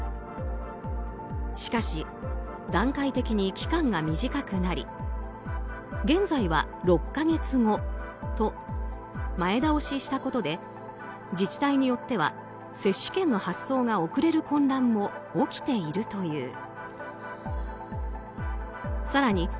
しかし、段階的に期間が短くなり現在は６か月後と前倒ししたことで自治体によっては接種券の発送が遅れる混乱も起きているという。